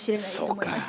そうか。